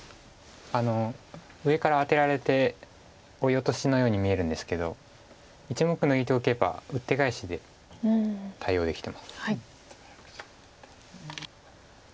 上からアテられてオイオトシのように見えるんですけど１目抜いておけばウッテガエシで対応できてます。